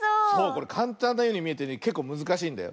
これかんたんなようにみえてねけっこうむずかしいんだよ。